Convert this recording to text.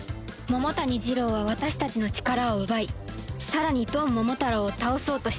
桃谷ジロウは私たちの力を奪いさらにドンモモタロウを倒そうとした